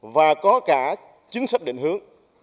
và có cả chính sách định hướng